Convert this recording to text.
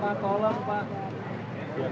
pak mobilnya pak